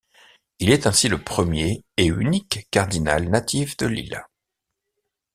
Il est ainsi le premier et unique cardinal natif de l'île.